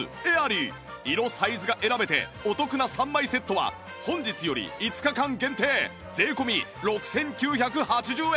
色サイズが選べてお得な３枚セットは本日より５日間限定税込６９８０円